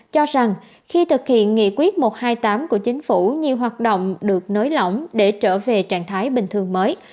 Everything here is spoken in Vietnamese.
cho rằng khi thực hiện nghị quyết một trăm hai mươi tám của chính phủ nhiều hoạt động được nới lỏng để trở về trạng thái bình thường mới